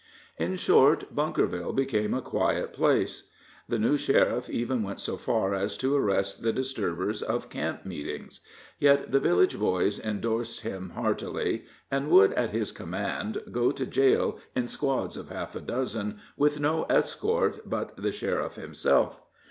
In short, Bunkerville became a quiet place. The new sheriff even went so far as to arrest the disturbers of camp meetings; yet the village boys indorsed him heartily, and would, at his command, go to jail in squads of half a dozen with no escort but the sheriff himself.